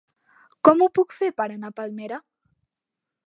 Com ho puc fer per anar a Palmera?